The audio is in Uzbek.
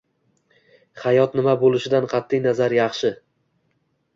Hayot nima bo'lishidan qat'i nazar yaxshi.